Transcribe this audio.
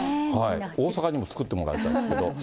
大阪にも作ってもらいたいですけど。